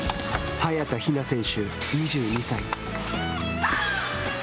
早田ひな選手、２２歳。